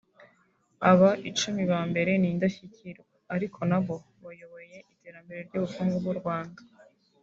Aba icumi ba mbere ni indashyikirwa ariko ni nabo bayoboye iterambere ry’ubukungu bw’u Rwanda